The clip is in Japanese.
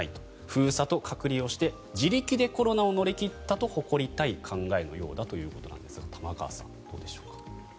封鎖と隔離をして自力でコロナを乗り切ったと誇りたいという考えのようですが玉川さん、どうでしょうか。